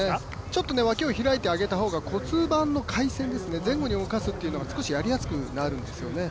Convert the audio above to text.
ちょっと脇を開いて上げた方が骨盤の回旋が前後に動かすというのがやりやすくなるんですよね。